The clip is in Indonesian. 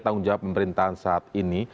tidak ada perjuangan saat ini